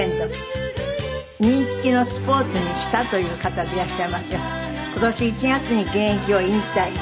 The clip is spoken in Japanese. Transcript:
人気のスポーツにしたという方でいらっしゃいますが今年１月に現役を引退。